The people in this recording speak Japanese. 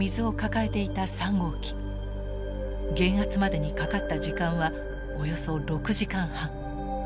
減圧までにかかった時間はおよそ６時間半。